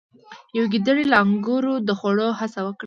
یوې ګیدړې له انګورو د خوړلو هڅه وکړه.